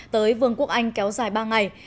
tới vương quốc anh kéo dài ba ngày